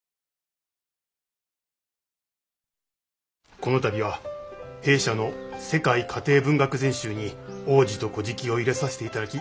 この度は弊社の「世界家庭文学全集」に「王子と乞食」を入れさせて頂き